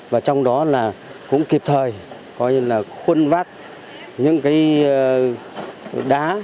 và trong đó là cũng kịp thời coi như là khuân vát những cái đá